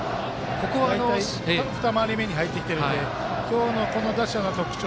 大体２回り目に入ってきてるので今日の、この打者の特徴